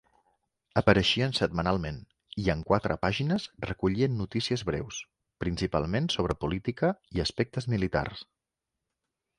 Apareixien setmanalment i en quatre pàgines recollien notícies breus, principalment sobre política i aspectes militars.